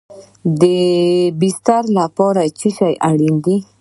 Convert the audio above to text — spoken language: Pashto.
د بسترې لپاره څه شی اړین دی؟